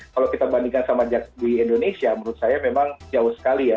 kalau kita bandingkan sama di indonesia menurut saya memang jauh sekali ya